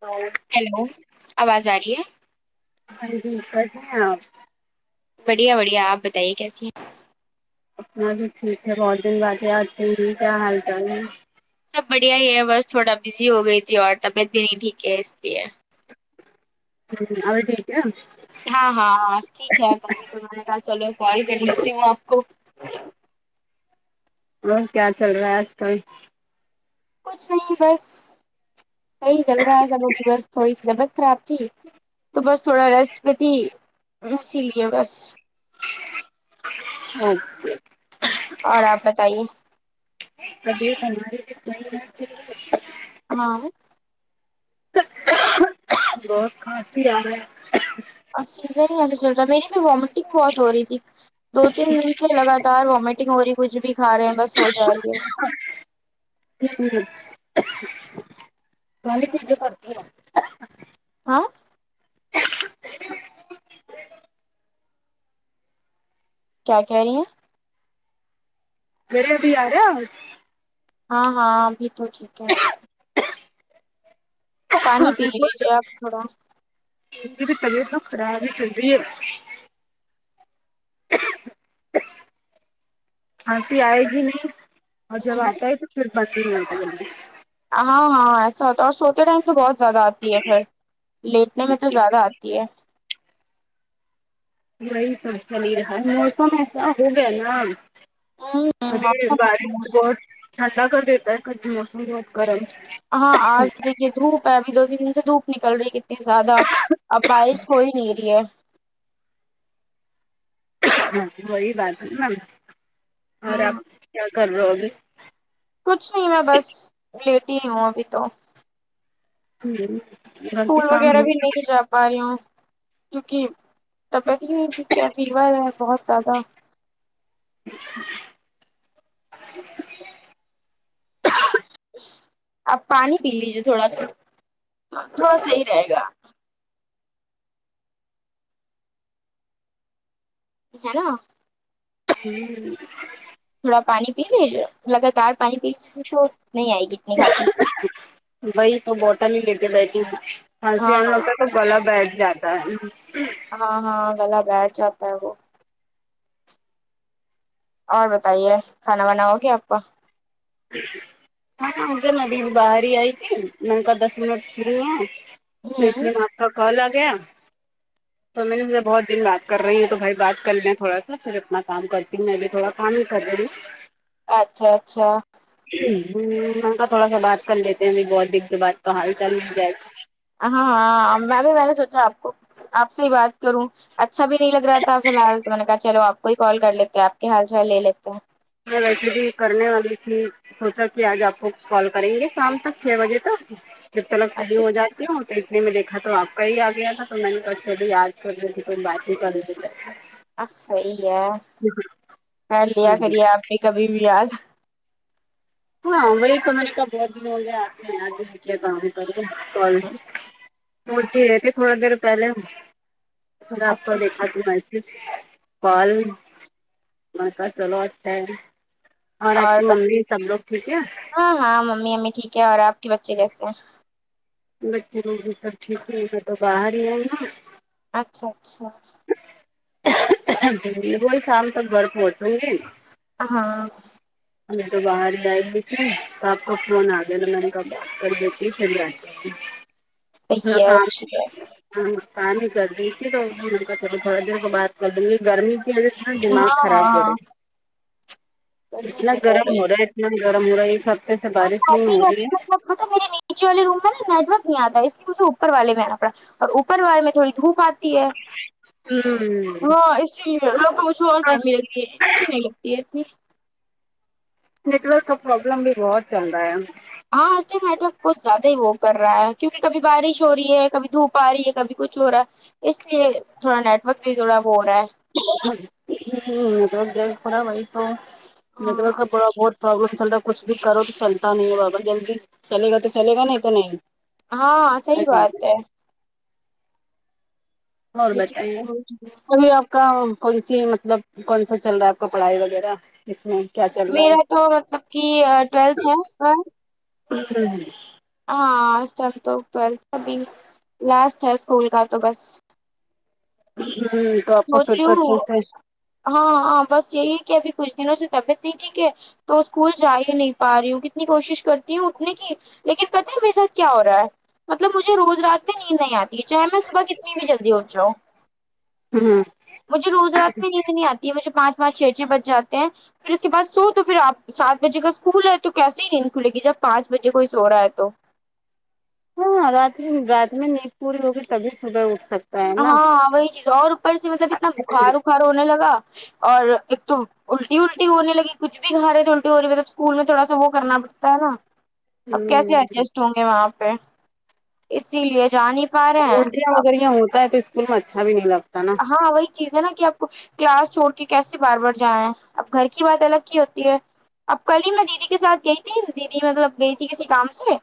تو ہیلو آواز آ رہی ہے ہاں جی بس ہے آپ بڑھیا بڑھیا آپ بتائیے کیسی ہیں اپنا بھی ٹھیک ہے بہت دن بعد رات رہی ہے کیا حال چال ہے سب بڑھیا ہی ہے بس تھوڑا بزی ہو گئی تھی اور طبیعت بھی نہیں ٹھیک ہے اس لیے ہوں اور ٹھیک ہے ہاں ہاں ٹھیک ہے تبھی تو میں نے کہ چلو کال کر لیتی ہوں آپ کو اور کیا چل رہا ہے آج کل کچھ نہیں بس صحیح چل رہا ہے سبوں کی بس تھوڑی سی طبعت خراب تھی تو بس تھوڑا ریسٹ پتی اسی لیے بس اچھا اور آپ بتائیے ابھی الماری کسی میں میل کے کا روں ہاں بہت خاصی آ رہا ہے ا چیزیں نہیں چل رہ میری بہت ہو رہی تھی دو تین دن سے لگاتار وامٹنگ ہو رہی تھی کچھ بھی کھا رہے ہیں بس ہو جا رہی ہے ہاں کیا کاروں پانی کے بوٹ پورا ہاں کیا کہہ رہی ہیں میرے بھی آ رہا ہے آج ہاں ہاں ابھی تو ٹھیک ہے پانی پی لیجیے آپ تھوڑا میری طبیعت تو خراب ہی چل رہی ہے کھانسی آئے گی نہیں اور جب آتا ہے تو پھر ب ہوتا جلدی ہاں ہاں ایسا ہو تو اور سوتے ٹائم تو بہت زیادہ آتی ہے پھر لیٹنے میں تو زیادہ آتی ہے وہی سب چل رہا ہے موسم ایسا ہو گیا نا ارے بارش بہت ٹھڈا کر دیتا ہے ک موسم بہت گرم ہاں آج دیکھیے دھوپ ہے ابھی دو تین دن سے دھوپ نکل رہی ہے کت ا زیادہ اب بارش ہوئی نہیں رہی ہے ہاں وہی بات ہے نا اور آپ ہاں کیا کر رہے ہوگے کچھ نہیں میں بس لیٹی ہوں ابھی تو ہمم اسکول وغیرہ بھی نہیں جا بیاریوں کیونکہ طبیعت ہی ہے ٹھیک ہے فیور ہے بہت زیادہ آپ پانی پی لیجیے تھوڑا سا تھوڑا صحیح رہے گا ہے نا ہوں تھوڑا پانی پی لی جے لگاتار پانی پی لی تو نہیں آئے گی اتنی کھانسی وہی تو بوٹل ہی لیکے بیٹھی ہو کھانسی ہاں آنا لگتا تو گلا بیٹھ جاتا ہے ہاں ہاں گلہ بیٹھ جاتا ہے وہ اور بتائیے کھانا وانا ہو گیا آپ کا کھانا ہو گیا میں ابھی باری آئیتی میں نے کا دس منٹ فری ہوں تو اس ہوں میں آپ کا کال آ گیا تو میں نے مجھے بہت دن بات کر رہی ہیں تو بھائی بات کر لیں تھوڑا سا پھر اپنا کام کرتی ہوں ابھی تھوڑا کام ہی کر رہی ہوں اچھا اچھا ہمم می نے تھوڑا سا بات کر لیتے ہیں ا بہت دن سے بات تو حال چال مل جائے ہاں ہاں میں بھی میں نے سوچا آپ کو آپ سے ہی بات کروں اچھا بھی نہیں لگ رہا تھا فی الحال تو میں نے کہا چلو آپ کو ہی کال کر لیتے ہیں آپ کے حال چال لے لیتے ہیں میں ویسے بھی کرنے والی تھی سوچا کہ آج آپ کو کال کریں گے شام تک چھ بجے تک جب تلک فری اچھا ہو جائے اچھا تو اتنے میں دیکھا تو آپ کا ہی آ گیا تھا تو میں نےو یاد کر دی تے تو بات ہی کر ا صحی ہے خیال لیا جی کریے آپ بھی کبھی بھی یاد ہاں وہی تو مہینے کہا بہت دن ہو گیا آپ نے آج ہی دیا تھا ہم کر کال توٹتی رہتی تھوڑا دیر پہلے پھر آپ کو اچھا دیکھا اچھا تھا وس کال کا چلو اچھا ہے اور آپ کی ممی سب لوگ ٹھیک ہے ہاں ہاں ممی امی ٹھیک ہے اور آپ کے بچے کیسے ہیں بچے لوگ بھی سب ٹھیک ہے میں تو باہر ہی آئی نا اچھا اچھا وہی شام تک گھر پہنچوں گی ہاں می تو باہر ہی آی ہویی تھی تو آپ کو فون آ گیا نا میں نے کہاکر دیتی پھر رہی صحیح ہے اچھی بات ہے پانی کر دیی تھی تو ہم تھوڑا دیر کو بات کر دیں گے گرمی وجہ سے ہے۔ دماغ ہاں خراب ہو ہاں رہا گرمی اتنا تو گرم رہی ہو رہا ہے گرم رہا یہ سب اور [unintelligible] میرے نیچے والے روم میں نا نیٹ ورک نہیں آتا اس لیے مھے اوپر والے بھی آنا پڑا اور اوپر والے میں تھوڑی دھوپ آتی ہاں اسلئے ہاں اسی لوگ کو ہے ہوں [unintelligible] کوچ نہیں یہ نیٹ ورک کا پروابلم بھی بہت چل رہا ہے ہاں آج تو نیٹ ورک بہت زیادہ ہی وہ کر رہا ہے کیونکہ کبھی بارش ہو رہی ہے کبھی دھوپ آ رہی ہے کبھی کچھ ہو رہا ہے اس لیے تھوڑا نیٹورک بھی تھوڑا ہو رہا ہے نیٹورک ج پڑا بائی تو نیٹورک ہاں کا تھڑا بہت پرابلم چل رہا کچھ بھی کرو تو چلتا نہیں ہے بابا جلدی چلے گا تو چلے گا نہیں تو نہیں ہاں صحی بات ہے اور یہ چیز بتائیے تو ہوتی ہے۔ ابھی آپ کا کون سی مطلب کون سا چل رہا ہے آپ کا پڑھائی وغیرہ اس میں کیا چل رہا میرا تو مطلب کہ ٹویلتھ ہے س ہوں ہوں [unintelligible] ہاں لاسٹ ہے اسکول کا تو بس ج تو آپ کو پھر سوچ رہی تو ہوں اچھے سے ہاں ہاں بس یہی کہ ابھی کچھ دنوں سے طبیعت نہیں ٹھیک ہے تو اسکول جا ہی نہیں پا رہی ہوں کتنی کوشش کرتی ہوں اٹھنے کی لیکن پتا ہے میرے ساتھ کیا ہو رہا ہے مطلب مجھے روز رات میںہ نیند نہیں آتی ہے چاہے میں صبح کتنی بھی جلدی اٹھ جاؤں ہوں مجھے روز رات میں نیند نہیں آتی ہے مجھے پانچ پانچ چھ چھ بچ جاتے ہیں پھر اس کے بعد سو تو پھر آپ سات بجے کا اسکول ہے تو کیسے ہی نیند کھلے گی جب پانچ بجے کوئی سو رہا ہے تو ہاںاں رات رات میں نیند پوری ہوگی تبھی صبح اٹھ سکتے ہاںاں وہی چیز اور اوپر سے مطلب اتنا بخار وخار ہونے لگا اور ایک تو الٹی الٹی ہونے لگی کچھ بھی گا رہے تو الٹی ہو رہی مطلب اسکول میں تھوڑا سا وہ کرنا پڑتا ہے نا اب کیسے ہ ایڈجسٹ ہوں گے وہاں پہ اسی لیے جانی الٹیاں وغیر یہ ہوتا ہے تو اسکول میں اچھا بھی نہیں لگتا نا ہاں وہی چیز ہے نا کہ آپ کو کلاس چھوڑ کے کیسے بار بار جانا رہا ہیں اب گھر کی بات الگ کی ہوتی ہے اب کل ہی میں دیدی کے ساتھ گئی تھی دیدی مطلب گئی تھی کسی کام سے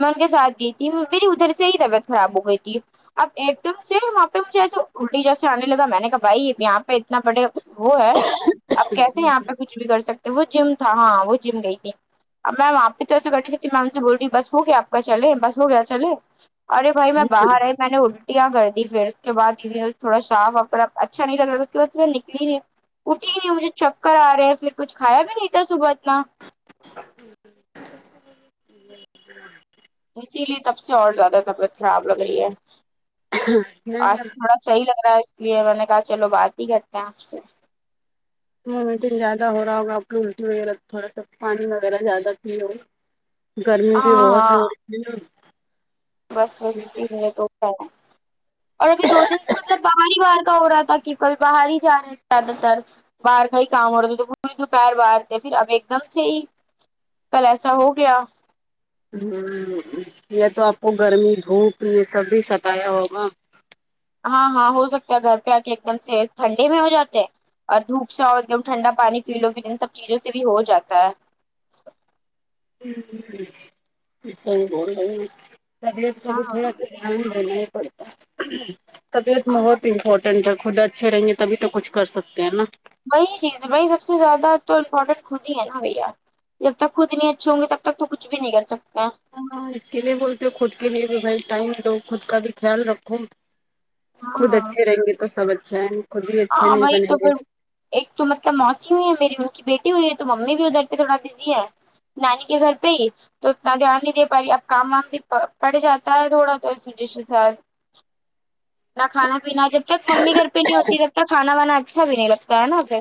میں ان کے ساتھ گئی تھی میری ادھر سے ہی طبیعت خراب ہو گئی تھی اب ایک دم سے وہاں پہ مجھے ایسے جیسے آنے لگا میں نے کہا بھائی ا یہاں پہ اتنا بڑے وہ ہے اب کیسے یہاں پہ کچھ بھی کر سکتے وہ جم تھا ہاں وہ جم گئی تھی اب میم آپ کی طرف سے گاڑی چلتیھی میم سے بول رہی بس ہو گیا اپ کا چلے بس ہو گیا چلے ارے بھائی میں باہر آئی میں نے الٹیاں گردی پھر اس کے بعد تھوڑا صاف ا اچھا نہیں لگ رہا اس کے بعد میں نکلی نہیںی اٹھی نہیں مجھے چک کر آ رہے ہیں پھر کچھ کھایا بھی نہیں تھا صبح اتنا اسی لیے تب سے اور زیادہ طبیعت خراب لگ رہی ہے نہیں اب آج تھوڑا س صحیح لگ رہا ہے اس لیے میں نے کہا چلو بات ہی کرتے ہیں آپ سے ومیٹنگ زیادہ ہو رہا ہوگا آپ کی الٹی وغیرہ تھوڑا سا پانی وغیرہ زیادہ پی ہوگ گرمی بھی ہاں بہت ہاں ہو رہی ہے ن بس بس اسی م نے تو کیا اور ابھی دو دن سے مطلب بہار ہی باہر کا ہو رہا تھا کہ کل باہر ہی جا رہے تھے زیادہ تر باہر کا ہی کام ہو رہا تھا تو پوری دو پہیر باہر تھے پھر اب ایک دم سے ہی کل ایسا ہو گیا ہ یہ تو آپ کو گرمی دھوپ یہ سب بھی ستایا ہوگا ہاں ہاں ہو سکتا ہے گھر پہ کے ایک دم سے ٹھنڈی میں ہو جاتے اور دھوپ سا اور ایک دم ٹھنڈا پانی پی لو پ لو ان سب چیزوں سے بھی ہو جاتا ہے س بول رہی ہو تابیت کا ہاں بھی تھوڑا دھیان دینا ہی پڑھتا ہے تابیت بہت انپٹ نڈا خود اچھے رہیں گے تبھی تو کچھ کر سکتے ہیں ہے نا وہی چیز ہے وہی سب سے زیادہ تو امپورٹنٹ خود ہی ہے نا بھیا جب تک خود نہیں اچھے ہوں گے تب تک تو کچھ بھی نہیں کر سکتا ہ ہاں اس کے لیے بولتے ہو خود کے لیے بھی بھائی ٹائم دو خود کا بھی خیال رکھو خود ہاں اچھے رہیں گے تو سب اچھا ہے خود ہی اچھے ہاں نہیں وہی بنیں تو گے پھر ایک تو مطلب موسی ہوئی ہے میری ان کی بیٹی ہوئی ہے تو ممی بھی ادھر پہ تھوڑا بزی ہے نانی کے گھر پہ ہی تو اتنا دھیان نہیں دے پا رہی اب کام وام بھی پڑ جاتا ہے تھوڑا تو اس و ڈشے س نہ کھانا پینا جب تک ممی گھر پہ نہیں ہوتی تب تک کھانا وانا اچھا بھی نہیں لگتا ہے نا پھر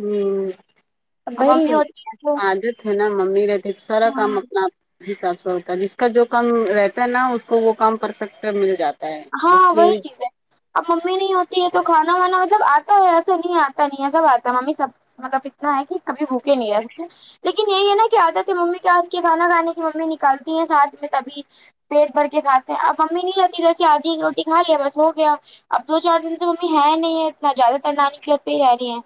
ہم اب بھائی ممی ہوتی ہے تو آج نا ممی رہتی سارا کام ہاں اپنا حساب سے ہوتا ہے جس کا جو کام رہتا ہے نا اس کو وہ کام پرفیکٹ مل جاتا ہے ہاں اس کے وہی چیز ہے اب ممی نہیں ہوتی ہے تو کھانا وانا مطلب آتا ہے ایسا نہیں آتا نہیں ہے سب آتا ہے ممی سب مطلب اتنا ہے کہ کبھی بھوکے نہیں ہے لیکن یہی ہے نا کہ عادت ہے ممی کے ہاتھ کی کھانا کھانے کی ممی نکالتی ہیں ساتھ میں تبھی پیٹ بھر کے کھاتے ہیں اب امی نہیں رہتی جیسیے آدھی ایک روٹی کھا لیا بس ہو گیا اب دو چار دن سے ممی ہے نہیں ہے اتنا زیادہ ترنانی گھر پہ ہی رہ رہی ہے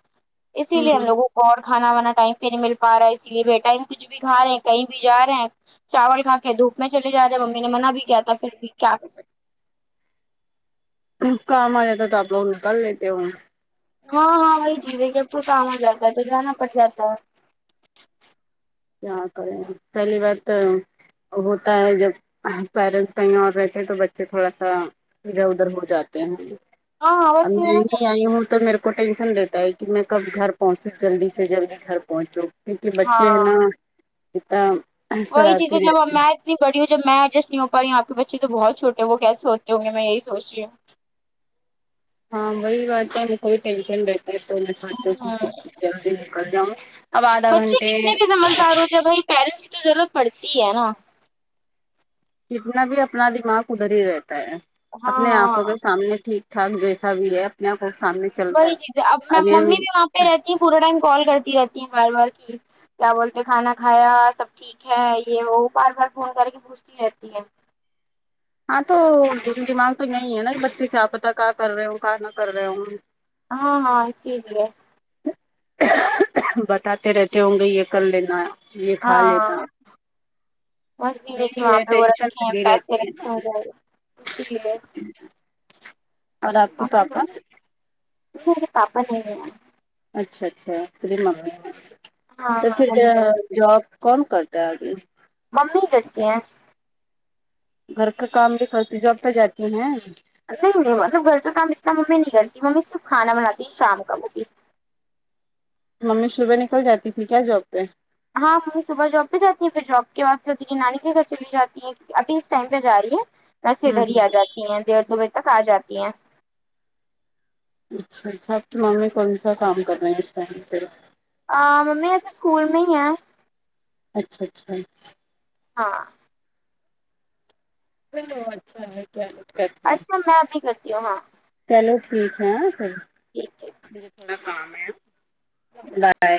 اسی لیے ہم لوگوں کو اور کھانا وانا ٹائم پہ نہیں مل پا رہا ہے اسی لیے بٹائم کچھ بھی کھا رہے ہیں کہیں بھی جا رہے ہیں چاول کھا کے دھوپ میں چلے جاتے ممی نے منع بھی کیا تھا پھر بھی کیا کر سکتے کام آ جاتا ہے تو آپ لوگ نکال لیتے ہو ہاں ہاں وہی جھیزے جب کو کام ہو جاتا ہے تو جانا پڑ جاتا کیا کریں پہلی بات ہوتا ہے جب پیرنٹس کہیں اور رہتے ہیں تو بچے تھوڑا سا ادھر ادھر ہو جاتے ہیں ہاں ہاں اب بس یہ نا نہیں آئی ہوں تو میرے کو ٹینشن رہتا ہے کہ میں کب گھر پہنچوں جلدی سے جلدی گھر پہنچوں کیونکہ بچے ہے نا ہاں اتا وہی چیزیں جب وہ میں اتنی بڑی ہو جب میں ایڈجس نہیں ہو پائی آپ کے بچے تو بہت چھوٹے وہ کیسے ہوتے ہوں گے میں یہی سوچ رہی ہوں ہاں وہی بات ہے ہم کو بھی ٹینشن رہتا ہے تو میں چاہتی ہوں کہ جلدی نکل جاؤں اب آدھا بچے گھنٹے کتنے بھی سمجھدار ہو جب بھائی پیرنٹس کی تو ضرورت پڑتی ہے نا جتنا بھی اپنا دماغ ادھر ہی رہتا ہے ہاں اپنی ہاں آنکھوں کے سامنے ٹھیک ٹانگ جیسا بھی ہے اپنے آپ کو سامنے وہی چیز ہے اب میں ابھی ہم ممی بھی وہاں پہ رہتی ہے پورا ٹائم کال کرتی رہتی ہے بار بار کہ کیا بولتے کھانا کھایا سب ٹھیک ہے یہ وہ بار بار فون کر کے پوچھتی رہتی ہے ہاں تو دل دماغ تو یہی ہے نا کہ بچے کیا پتا کیا کر رہے ہو کیا نہ کر رہے ہو ہاں ہاں س ی لی ہے خو خو بتاتے رہتے ہوں گے یہ کر لینا یہ کھا لینا ہے کہ یہی وہاں پہ وہ ٹینشن رکھے ہیں لگی پیسے رہتی رکھے ہے ہو کچھ اسی لیے اور آپ کے پاپا نہیں پاپا نہیں ہے اچھا اچھا پری مم ہاں تو ہاں پھر ممی ہے جاب کون کرتا ہے ابھی ممی کرتی ہیں گھر کا کام بھی کرتی جاب پہ جاتی ہیں نہیں نہیں مطلب گھر کا کام اتنا ممی نہیں کرتی ممی صرف کھانا بناتی شام کا وہ بھی ممی صبح نکل جاتی تھی کیا جاب پہ ہاں ممی صبح جاب پہ جاتی ہیں پھر جاب کے بعد میری نانی کے گھر چلی جاتی ہیں ابھی اس ٹائم پہ جا رہی ہے ایسے ہوں ادھر ہی ہ آ جاتی ہیں ڈیڑھ دو بجے تک آ جاتی ہیں اچھا اچھا ممی نے کون سا کام کرنا ہے اس ٹائم پہ ہ ممی اس سکول میں ہی ہیں اچھا اچھا ہاں چلو اچھا ہے کیا دقت ہے اچھا میں بھی کرتی ہوں ہاں چلو ٹھیک ہے ٹھیک ٹھیک بائے